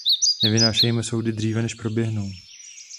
Nevynášejme soudy dříve, než proběhnou.